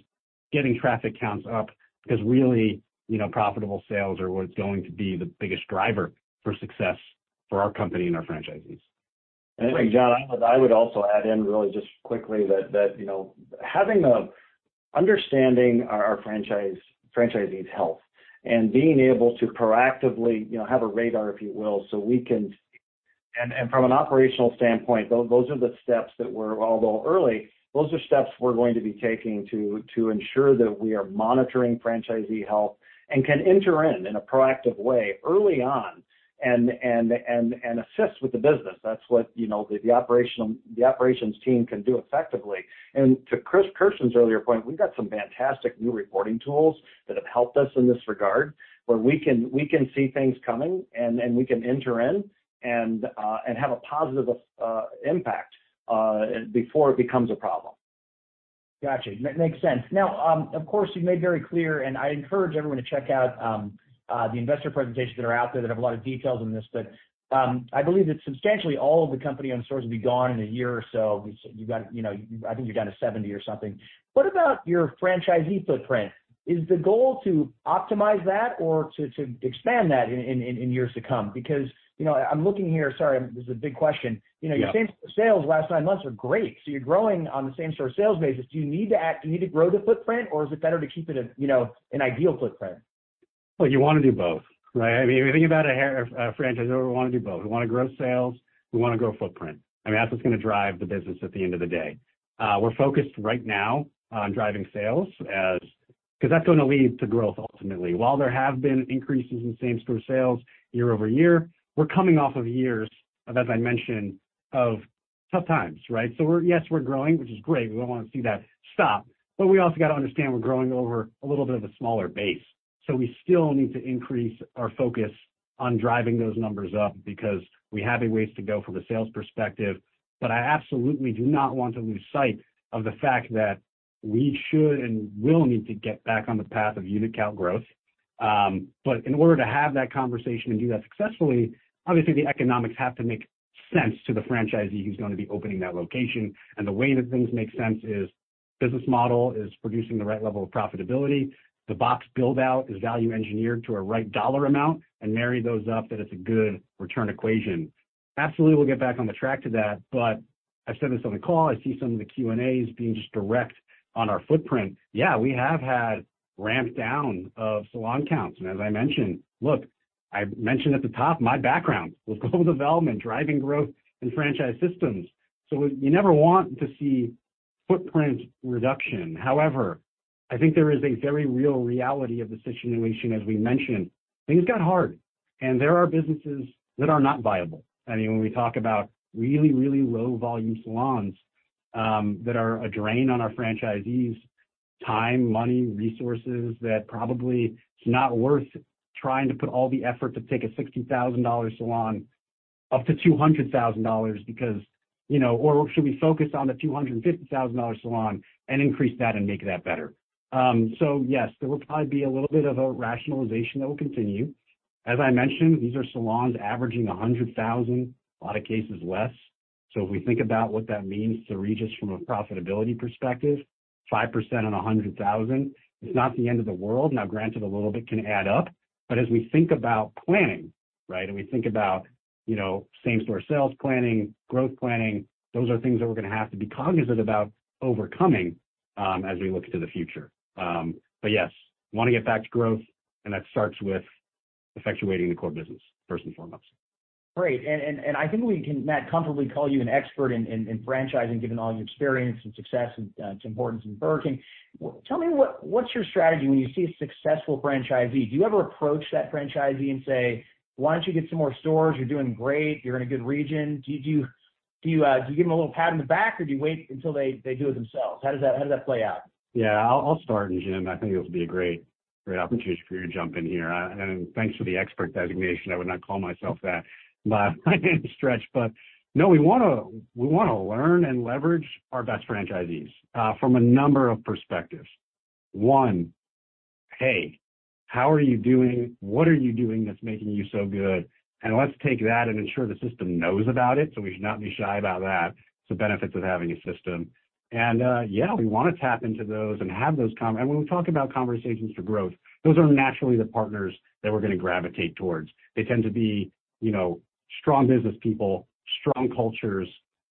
getting traffic counts up, because really, you know, profitable sales are what is going to be the biggest driver for success for our company and our franchisees. John, I would also add in really just quickly that, you know, having understanding our franchise-franchisee's health and being able to proactively, you know, have a radar, if you will, so we can. From an operational standpoint, those are the steps that we're, although early, those are steps we're going to be taking to ensure that we are monitoring franchisee health and can enter in a proactive way early on and assist with the business. That's what, you know, the operations team can do effectively. To Kersten's earlier point, we've got some fantastic new reporting tools that have helped us in this regard, where we can see things coming, and then we can enter in and have a positive impact before it becomes a problem. Gotcha. Makes sense. Of course, you've made very clear, and I encourage everyone to check out, the investor presentations that are out there that have a lot of details in this. I believe that substantially all of the company-owned stores will be gone in a year or so. You've got, you know, I think you're down to 70 or something. What about your franchisee footprint? Is the goal to optimize that or to expand that in years to come? You know, I'm looking here, sorry, this is a big question. You know... Yeah... Your same-store sales last 9 months are great, so you're growing on the same-store sales basis. Do you need to grow the footprint, or is it better to keep it a, you know, an ideal footprint? Well, you wanna do both, right? I mean, if you think about a franchisee owner, we wanna do both. We wanna grow sales. We wanna grow footprint. I mean, that's what's gonna drive the business at the end of the day. We're focused right now on driving sales 'cause that's gonna lead to growth ultimately. While there have been increases in same-store sales year-over-year, we're coming off of years of, as I mentioned, tough times, right? Yes, we're growing, which is great. We don't want to see that stop. We also got to understand we're growing over a little bit of a smaller base. We still need to increase our focus on driving those numbers up because we have a ways to go from a sales perspective. I absolutely do not want to lose sight of the fact that we should and will need to get back on the path of unit count growth. In order to have that conversation and do that successfully, obviously, the economics have to make sense to the franchisee who's going to be opening that location. The way that things make sense is business model is producing the right level of profitability. The box build-out is value engineered to a right dollar amount and marry those up that it's a good return equation. Absolutely, we'll get back on the track to that. I've said this on the call, I see some of the Q&As being just direct on our footprint. Yeah, we have had ramp down of salon counts. Look, I mentioned at the top my background was global development, driving growth in franchise systems. You never want to see footprint reduction. However, I think there is a very real reality of the situation, as we mentioned. Things got hard, and there are businesses that are not viable. I mean, when we talk about really, really low volume salons that are a drain on our franchisees' time, money, resources that probably it's not worth trying to put all the effort to take a $60,000 salon up to $200,000 because, you know. Should we focus on the $250,000 salon and increase that and make that better? Yes, there will probably be a little bit of a rationalization that will continue. As I mentioned, these are salons averaging $100,000, a lot of cases less. If we think about what that means to Regis from a profitability perspective, 5% on $100,000 is not the end of the world. Now, granted, a little bit can add up. As we think about planning, right, and we think about, you know, same-store sales planning, growth planning, those are things that we're going to have to be cognizant about overcoming as we look to the future. Yes, want to get back to growth, and that starts with effectuating the core business first and foremost. Great. I think we can, Matt, comfortably call you an expert in franchising, given all your experience and success, its importance in Burger King. Tell me what's your strategy when you see a successful franchisee? Do you ever approach that franchisee and say, "Why don't you get some more stores? You're doing great. You're in a good region." Do you give them a little pat on the back or do you wait until they do it themselves? How does that play out? Yeah, I'll start. Jim, I think it'll be a great opportunity for you to jump in here. Thanks for the expert designation. I would not call myself that, but stretch. No, we wanna learn and leverage our best franchisees from a number of perspectives. One, hey, how are you doing? What are you doing that's making you so good? Let's take that and ensure the system knows about it, so we should not be shy about that. It's the benefits of having a system. Yeah, we want to tap into those and have those. When we talk about conversations for growth, those are naturally the partners that we're going to gravitate towards. They tend to be, you know, strong business people, strong cultures,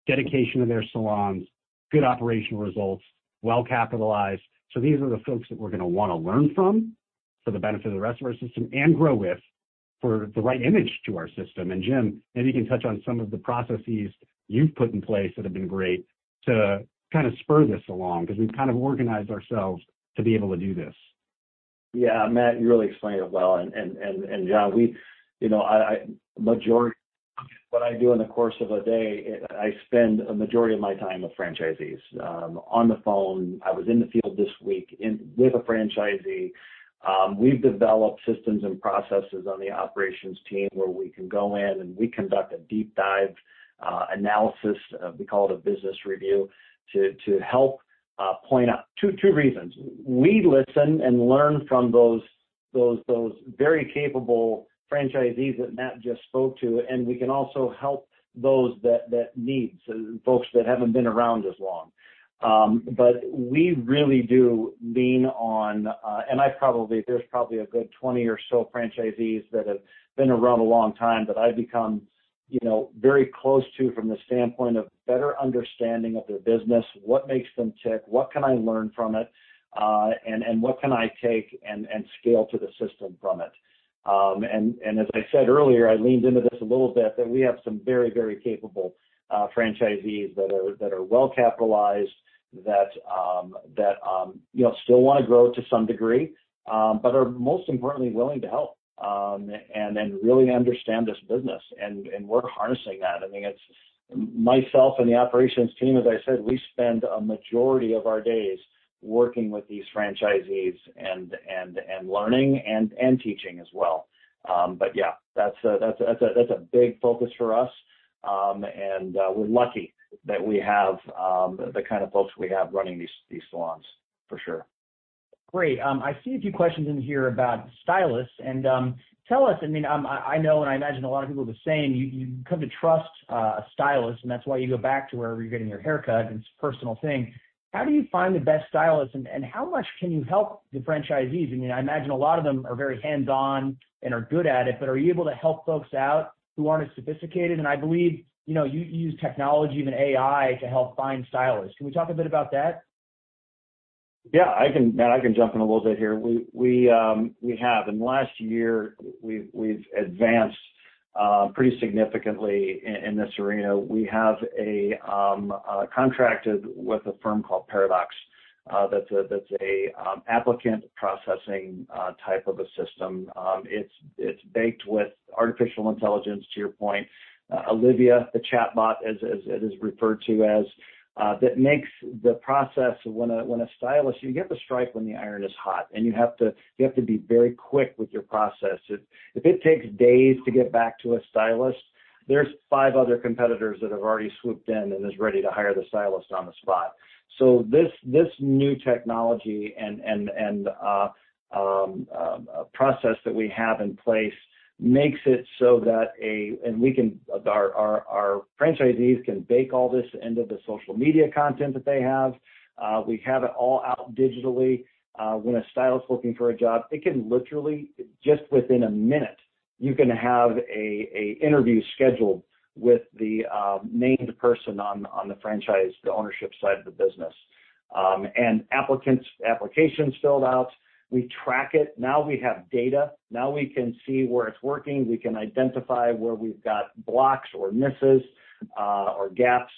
dedication to their salons, good operational results, well-capitalized. These are the folks that we're going to want to learn from for the benefit of the rest of our system and grow with for the right image to our system. Jim, maybe you can touch on some of the processes you've put in place that have been great to kind of spur this along because we've kind of organized ourselves to be able to do this. Yeah. Matt, you really explained it well. John, You know, Majority of what I do in the course of a day, I spend a majority of my time with franchisees, on the phone. I was in the field this week with a franchisee. We've developed systems and processes on the operations team where we can go in and we conduct a deep dive analysis, we call it a business review, to help point out two reasons. We listen and learn from those very capable franchisees that Matt just spoke to, and we can also help those that need, so folks that haven't been around as long. We really do lean on, there's probably a good 20 or so franchisees that have been around a long time that I've become, you know, very close to from the standpoint of better understanding of their business, what makes them tick, what can I learn from it, and what can I take and scale to the system from it. As I said earlier, I leaned into this a little bit, that we have some very, very capable franchisees that are well capitalized, that, you know, still want to grow to some degree, but are most importantly willing to help, and then really understand this business and we're harnessing that. I mean, it's myself and the operations team, as I said, we spend a majority of our days working with these franchisees and learning and teaching as well. Yeah, that's a big focus for us. We're lucky that we have the kind of folks we have running these salons for sure. Great. I see a few questions in here about stylists and, tell us, I mean, I know and I imagine a lot of people are the same, you come to trust a stylist, and that's why you go back to wherever you're getting your hair cut, and it's a personal thing. How do you find the best stylist and how much can you help the franchisees? I mean, I imagine a lot of them are very hands-on and are good at it, but are you able to help folks out who aren't as sophisticated? I believe, you know, you use technology and AI to help find stylists. Can we talk a bit about that? Yeah, Matt, I can jump in a little bit here. We have. In the last year, we've advanced pretty significantly in this arena. We have contracted with a firm called Paradox that's a applicant processing type of a system. It's baked with artificial intelligence, to your point, Olivia, the chatbot, as it is referred to as, that makes the process when a stylist. You get to strike when the iron is hot, and you have to be very quick with your process. If it takes days to get back to a stylist, there's five other competitors that have already swooped in and is ready to hire the stylist on the spot. This new technology and a process that we have in place makes it so that a. Our franchisees can bake all this into the social media content that they have. We have it all out digitally. When a stylist's looking for a job, they can literally, just within a minute, you can have a interview scheduled with the named person on the franchise, the ownership side of the business. Applications filled out. We track it. Now we have data. Now we can see where it's working. We can identify where we've got blocks or misses, or gaps,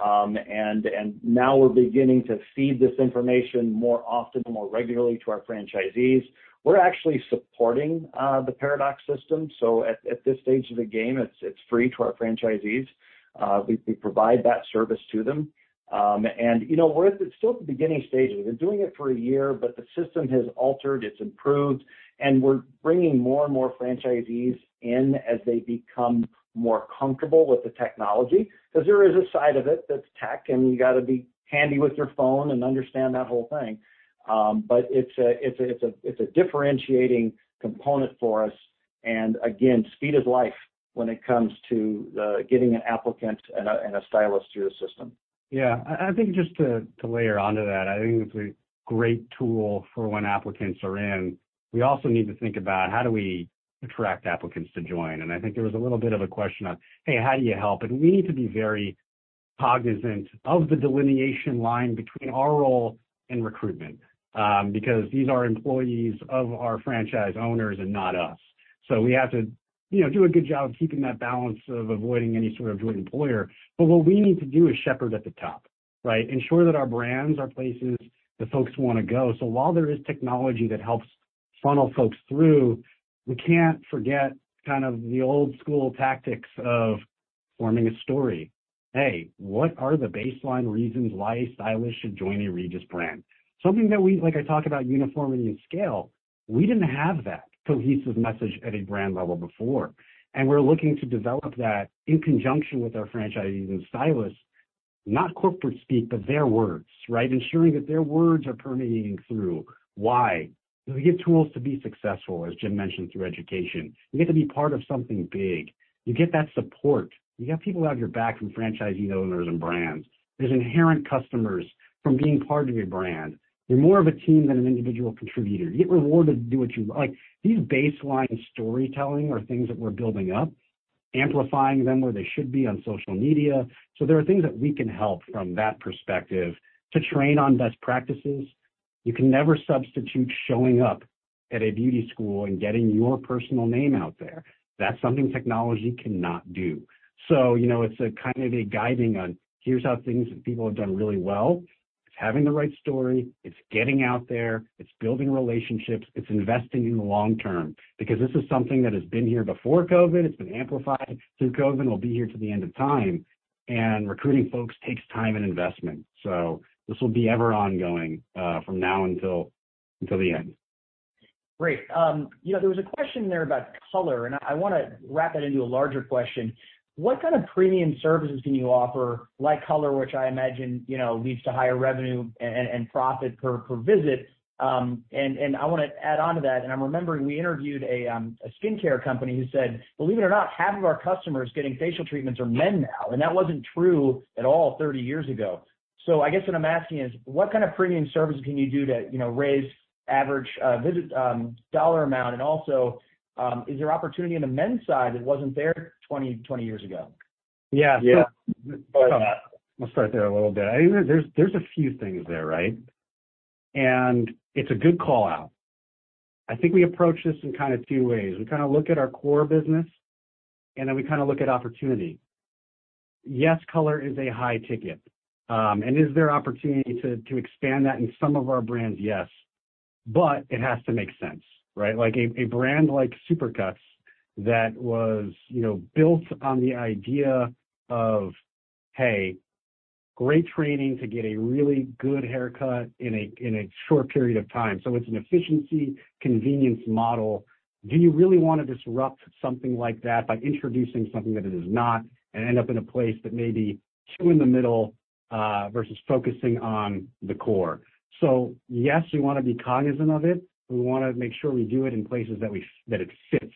and now we're beginning to feed this information more often, more regularly to our franchisees. We're actually supporting the Paradox system, so at this stage of the game, it's free to our franchisees. We provide that service to them. You know, still at the beginning stages. We've been doing it for a year, but the system has altered, it's improved, and we're bringing more and more franchisees in as they become more comfortable with the technology. 'Cause there is a side of it that's tech, and you gotta be handy with your phone and understand that whole thing. It's a differentiating component for us. Again, speed is life when it comes to the getting an applicant and a stylist through the system. Yeah. I think just to layer onto that, I think it's a great tool for when applicants are in. We also need to think about how do we attract applicants to join? I think there was a little bit of a question on, "Hey, how do you help?" We need to be very cognizant of the delineation line between our role and recruitment because these are employees of our franchise owners and not us. We have to, you know, do a good job keeping that balance of avoiding any sort of joint employer. What we need to do is shepherd at the top, right? Ensure that our brands are places that folks wanna go. While there is technology that helps funnel folks through, we can't forget kind of the old school tactics of forming a story. Hey, what are the baseline reasons why a stylist should join a Regis brand?" Something that we Like I talk about uniformity and scale, we didn't have that cohesive message at a brand level before, we're looking to develop that in conjunction with our franchisees and stylists. Not corporate speak, but their words, right? Ensuring that their words are permeating through. Why? You get tools to be successful, as Jim mentioned, through education. You get to be part of something big. You get that support. You got people who have your back from franchisee owners and brands. There's inherent customers from being part of a brand. You're more of a team than an individual contributor. You get rewarded to do what you like. These baseline storytelling are things that we're building up, amplifying them where they should be on social media. There are things that we can help from that perspective to train on best practices. You can never substitute showing up at a beauty school and getting your personal name out there. That's something technology cannot do. You know, it's a kind of a guiding on, here's how things that people have done really well. It's having the right story. It's getting out there. It's building relationships. It's investing in the long term, because this is something that has been here before COVID, it's been amplified through COVID, and will be here till the end of time, and recruiting folks takes time and investment. This will be ever ongoing, from now until the end. Great. You know, there was a question there about color, and I wanna wrap that into a larger question. What kind of premium services can you offer, like color, which I imagine, you know, leads to higher revenue and profit per visit? I wanna add on to that, and I'm remembering we interviewed a skincare company who said, "Believe it or not, half of our customers getting facial treatments are men now," and that wasn't true at all 30 years ago. I guess what I'm asking is, what kind of premium services can you do to, you know, raise average visit dollar amount? Also, is there opportunity in the men's side that wasn't there 20 years ago? Yeah. Yeah. Let's talk about it. We'll start there a little bit. I think there's a few things there, right? It's a good call-out. I think we approach this in kind of two ways. We kind at our core business, and then we kind of look at opportunity. Yes, color is a high ticket. Is there opportunity to expand that? In some of our brands, yes. It has to make sense, right? Like a brand like Supercuts that was, you know, built on the idea of, hey, great training to get a really good haircut in a short period of time, so it's an efficiency, convenience model. Do you really wanna disrupt something like that by introducing something that it is not and end up in a place that may be too in the middle, versus focusing on the core? Yes, we wanna be cognizant of it. We wanna make sure we do it in places that it fits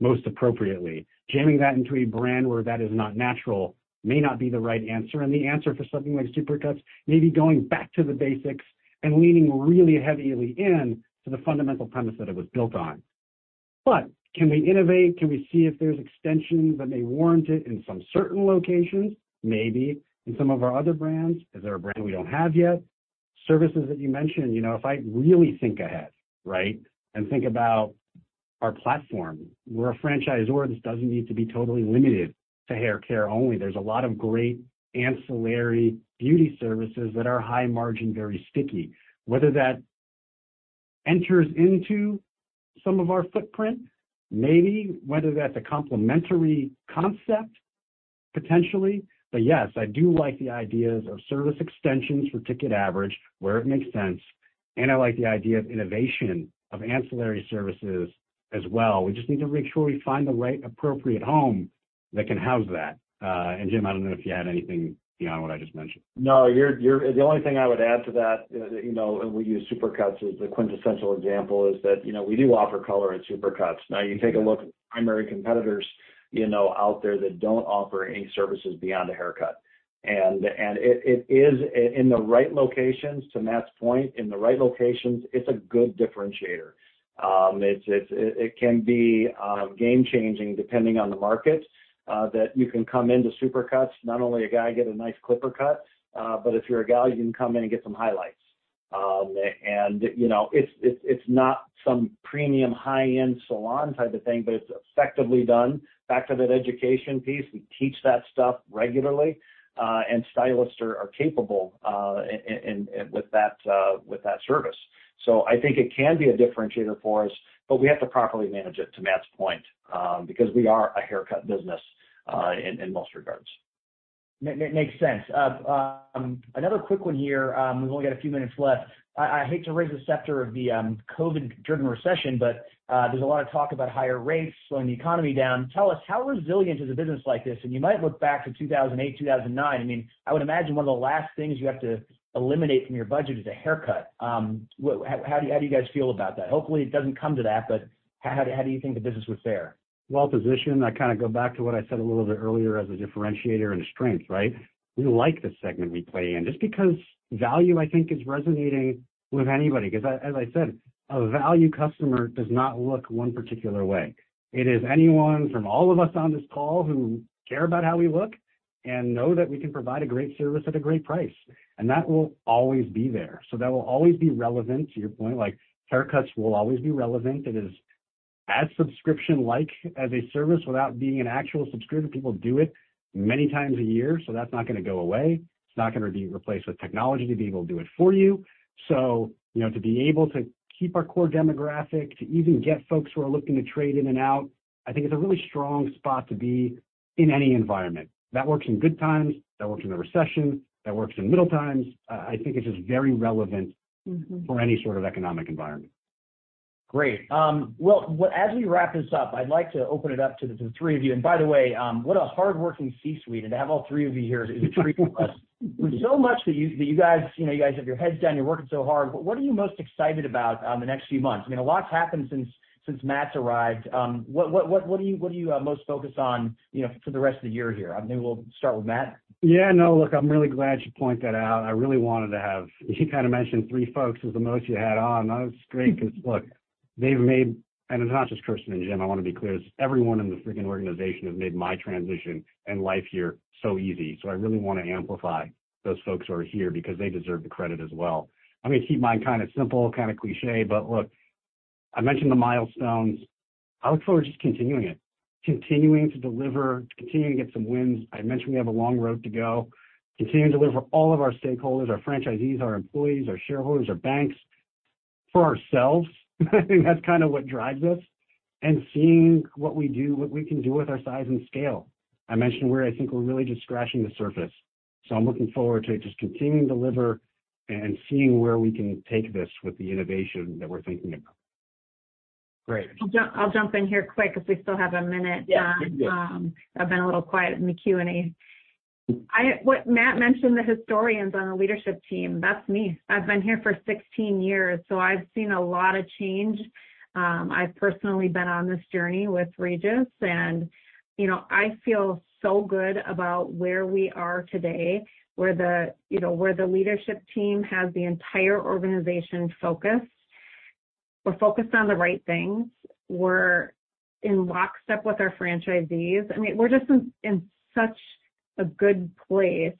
most appropriately. Jamming that into a brand where that is not natural may not be the right answer, and the answer for something like Supercuts may be going back to the basics and leaning really heavily in to the fundamental premise that it was built on. Can we innovate? Can we see if there's extensions that may warrant it in some certain locations? Maybe. In some of our other brands. Is there a brand we don't have yet? Services that you mentioned, you know, if I really think ahead, right, Our platform. We're a franchisor. This doesn't need to be totally limited to haircare only. There's a lot of great ancillary beauty services that are high margin, very sticky. Whether that enters into some of our footprint, maybe. Whether that's a complementary concept, potentially. Yes, I do like the ideas of service extensions for ticket average where it makes sense, and I like the idea of innovation of ancillary services as well. We just need to make sure we find the right appropriate home that can house that. Jim, I don't know if you had anything beyond what I just mentioned. No, you're the only thing I would add to that, you know, and we use Supercuts as the quintessential example, is that, you know, we do offer color at Supercuts. You take a look at primary competitors, you know, out there that don't offer any services beyond a haircut. It is in the right locations, to Matt's point, in the right locations, it's a good differentiator. It can be game changing depending on the market that you can come into Supercuts, not only a guy get a nice clipper cut, but if you're a gal, you can come in and get some highlights. You know, it's not some premium high-end salon type of thing, but it's effectively done. Back to that education piece, we teach that stuff regularly, and stylists are capable, and with that, with that service. I think it can be a differentiator for us, but we have to properly manage it, to Matt's point, because we are a haircut business, in most regards. Makes sense. Another quick one here. We've only got a few minutes left. I hate to raise the specter of the COVID-driven recession, but there's a lot of talk about higher rates slowing the economy down. Tell us, how resilient is a business like this? And you might look back to 2008, 2009. I mean, I would imagine one of the last things you have to eliminate from your budget is a haircut. How do you guys feel about that? Hopefully, it doesn't come to that, but how do you think the business would fare? Well-positioned. I kind of go back to what I said a little bit earlier as a differentiator and a strength, right? We like the segment we play in, just because value, I think, is resonating with anybody. Cause as I said, a value customer does not look one particular way. It is anyone from all of us on this call who care about how we look and know that we can provide a great service at a great price, that will always be there. That will always be relevant to your point. Like, haircuts will always be relevant. It is as subscription-like as a service without being an actual subscription. People do it many times a year, that's not gonna go away. It's not gonna be replaced with technology to be able to do it for you. You know, to be able to keep our core demographic, to even get folks who are looking to trade in and out, I think it's a really strong spot to be in any environment. That works in good times, that works in a recession, that works in middle times. I think it's just very relevant. Mm-hmm. For any sort of economic environment. Great. Well, as we wrap this up, I'd like to open it up to the three of you. By the way, what a hardworking C-suite. To have all three of you here is a treat for us. There's so much that you, that you guys, you know, you guys have your heads down, you're working so hard, what are you most excited about, the next few months? I mean, a lot's happened since Matt's arrived. What are you most focused on, you know, for the rest of the year here? Maybe we'll start with Matt. Yeah, no, look, I'm really glad you point that out. I really wanted to have. You kind of mentioned three folks is the most you had on. That was great 'cause, look, they've made, and it's not just Kirsten and Jim, I wanna be clear, it's everyone in the freaking organization has made my transition and life here so easy. I really wanna amplify those folks who are here because they deserve the credit as well. I'm gonna keep mine kind of simple, kind of cliche, but look, I mentioned the milestones. I look forward to just continuing it, continuing to deliver, continuing to get some wins. I mentioned we have a long road to go. Continuing to deliver for all of our stakeholders, our franchisees, our employees, our shareholders, our banks, for ourselves. I think that's kind of what drives us, and seeing what we do, what we can do with our size and scale. I mentioned where I think we're really just scratching the surface. I'm looking forward to just continuing to deliver and seeing where we can take this with the innovation that we're thinking about. Great. I'll jump in here quick if we still have a minute. Yeah. I've been a little quiet in the Q&A. What Matt mentioned, the historians on the leadership team, that's me. I've been here for 16 years, I've seen a lot of change. I've personally been on this journey with Regis, you know, I feel so good about where we are today, where the leadership team has the entire organization focused. We're focused on the right things. We're in lockstep with our franchisees. I mean, we're just in such a good place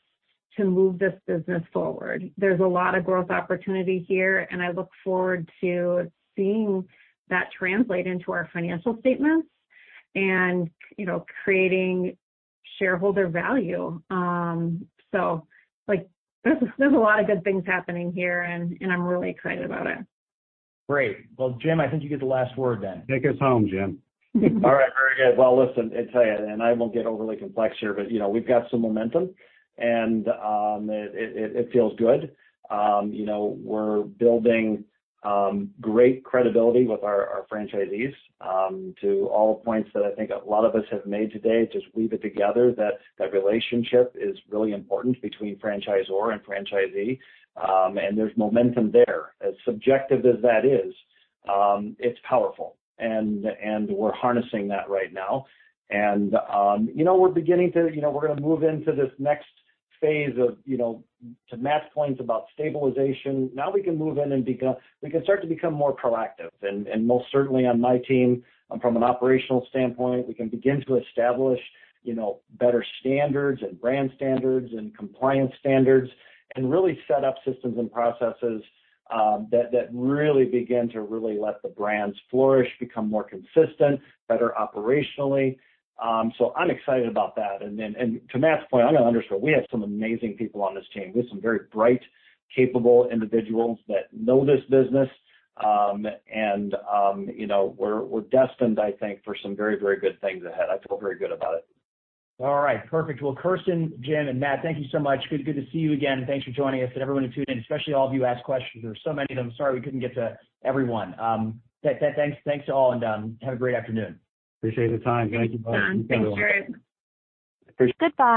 to move this business forward. There's a lot of growth opportunity here, I look forward to seeing that translate into our financial statements and, you know, creating shareholder value. Like, there's a lot of good things happening here, and I'm really excited about it. Great. Well, Jim, I think you get the last word then. Take us home, Jim. All right. Very good. Well, listen, I tell you, and I won't get overly complex here, but, you know, we've got some momentum, and it feels good. You know, we're building great credibility with our franchisees. To all the points that I think a lot of us have made today, just weave it together, that relationship is really important between franchisor and franchisee, and there's momentum there. As subjective as that is, it's powerful, and we're harnessing that right now. You know, we're beginning to, you know, we're gonna move into this next phase of, you know, to Matt's point about stabilization, now we can move in and we can start to become more proactive. Most certainly on my team, from an operational standpoint, we can begin to establish, you know, better standards and brand standards and compliance standards and really set up systems and processes that really begin to let the brands flourish, become more consistent, better operationally. So I'm excited about that. Then, to Matt's point, I'm going to underscore, we have some amazing people on this team. We have some very bright, capable individuals that know this business. And, you know, we're destined, I think, for some very good things ahead. I feel very good about it. All right. Perfect. Well, Kirsten, Jim, and Matt, thank you so much. Good, good to see you again. Thanks for joining us and everyone who tuned in, especially all of you who asked questions. There were so many of them. Sorry we couldn't get to everyone. thanks to all, and have a great afternoon. Appreciate the time. Thank you both. Yeah. Thanks, Jarrett. Appreciate it. Goodbye.